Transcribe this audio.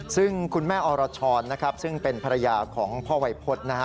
ซึ่งคุณแม่อรชรนะครับซึ่งเป็นภรรยาของพ่อวัยพฤษนะฮะ